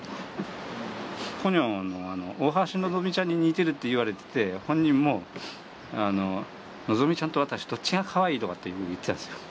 ポニョの大橋のぞみちゃんに似てるっていわれてて本人も「のぞみちゃんと私どっちがかわいい？」とかって言ってたんですよ。